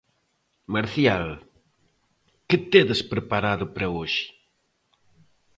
Marcial, que tedes preparado para hoxe?